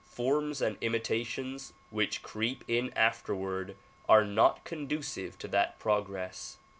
Forms and imitations which creep in afterward are not conducive to that progress.